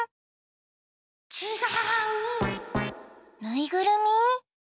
ぬいぐるみ？